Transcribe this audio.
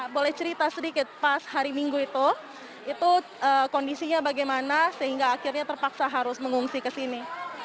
boleh cerita sedikit pas hari minggu itu itu kondisinya bagaimana sehingga akhirnya terpaksa harus mengungsi ke sini